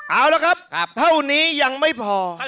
เอาละครับเท่านี้ยังไม่พอ